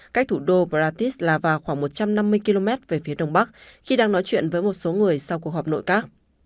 cách thủ đô bratislava khoảng một trăm năm mươi km về phía đông bắc khi đang nói chuyện với một số người sau cuộc họp nội các